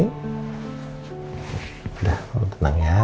udah tenang ya